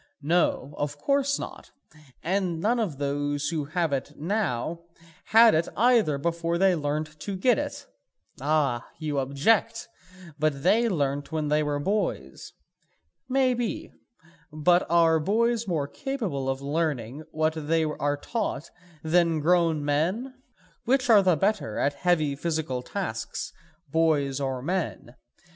No, of course not, and none of those who have it now had it either before they learnt to get it. Ah, you object, but they learnt when they were boys. Maybe; but are boys more capable of learning what they are taught then grown men? Which are the better at heavy physical tasks, boys or men?